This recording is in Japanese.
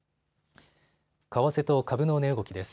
為替と株の値動きです。